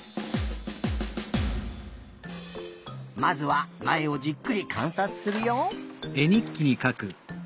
まずはなえをじっくりかんさつするよ。